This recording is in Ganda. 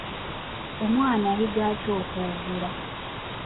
Omwana ayiga atya okwogera?